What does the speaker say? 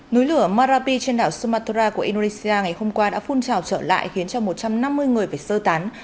núi lửa marapi trên đảo sumatra của indonesia ngày hôm qua đã phun trào trở lại khiến cho một trăm năm mươi người phải sơ tán